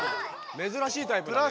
めずらしいタイプだね。